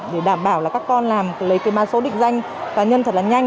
để đảm bảo là các con lấy cái ma số định danh cá nhân thật là nhanh